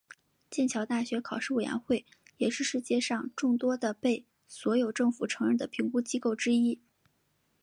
剑桥大学考试委员会也是世界上众多的被所有政府承认的评估机构之一。